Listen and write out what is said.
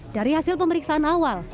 dari hasil pemeriksaan awal